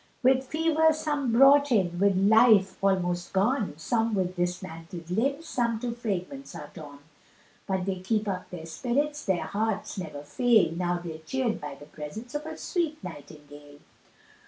With fever some brought in, with life almost gone, Some with dismantled limbs, some to fragments are torn, But they keep up their spirits, their hearts never fail, Now they're cheered by the presence of a sweet Nightingale.